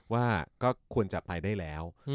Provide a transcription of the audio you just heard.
ว่าก็ควรจะไปได้แล้ว